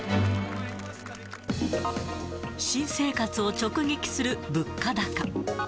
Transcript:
新生活を直撃する物価高。